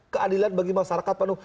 keadilan bagi masyarakat penuh